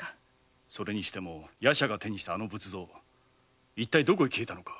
それにしても「夜叉」が手にした仏像はどこへ消えたのか。